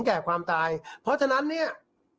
แล้วก็บอกด้วยนะบอกว่าตอนนี้นะ